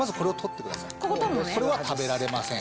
それは食べられません。